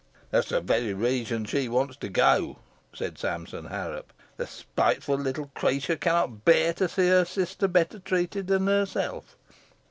"That's the very reason she wishes to go," said Sampson Harrop. "The spiteful little creature cannot bear to see her sister better treated than herself.